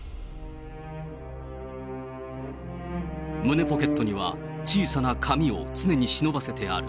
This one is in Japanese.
胸ポケットには小さな紙を常に忍ばせてある。